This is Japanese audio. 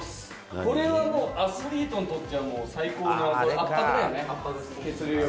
これはもう、アスリートにとっては最高の、圧迫だよね。